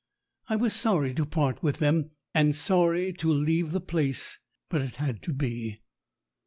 I was sorry to part with them, and sorry to leave the place, but it had to be.